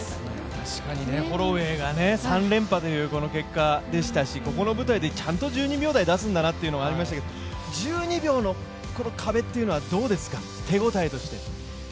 確かにホロウェイが３連覇という結果でしたしここの舞台でちゃんと１２秒台出すんだなというのはありましたけど１２秒の壁っていうのはどうですか、手応えとして。